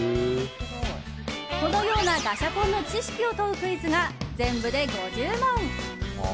このようなガシャポンの知識を問うクイズが全部で５０問。